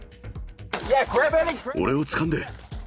俺をつかんで。